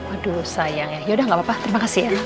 aduh sayang ya yaudah gak apa apa terima kasih ya